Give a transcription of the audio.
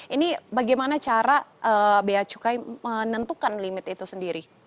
ini bagaimana cara beacukai menentukan limit itu sendiri